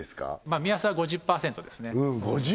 目安は５０％ですねうん５０